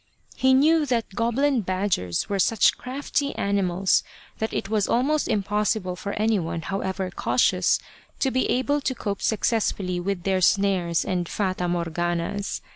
He knew that goblin badgers were such crafty animals that it was almost impossible for anyone, however cautious, to be able to cope success fully with their snares and Fata Morganas.